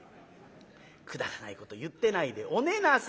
「くだらないこと言ってないでお寝なさいって」。